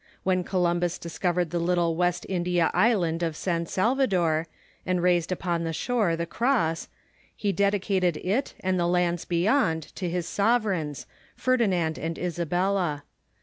When Columbus discovered the little West India island of San Salvador^ and raised The First ^jpon the shore the cross, he dedicated it and the lands Discoverer .^.,.. t^t , itih beyond to his sovereigns, i'erdinand and l.sabelia.